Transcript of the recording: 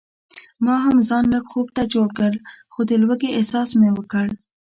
ما هم ځان لږ خوب ته جوړ کړ خو د لوږې احساس مې وکړ.